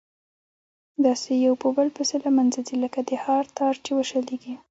داسي يو په بل پسي له منځه ځي لكه د هار تار چي وشلېږي